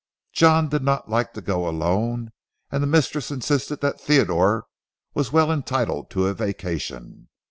John did not like to go alone, and the mistress insisted that Theodore was well entitled to a vacation.